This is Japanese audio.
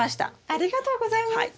ありがとうございます。